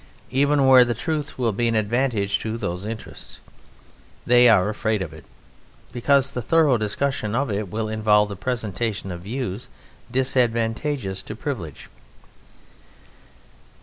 Even where the truth will be of advantage to those interests, they are afraid of it, because the thorough discussion of it will involve the presentation of views disadvantageous to privilege.